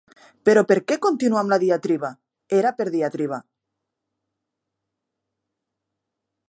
Però per què continuar amb la diatriba, era per diatriba.